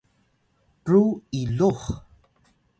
ru iluh